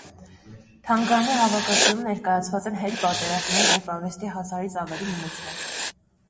Թանգարանի հավաքածուում ներկայացված են հետպատերազմյան կերպարվեստի հազարից ավելի նմուշներ։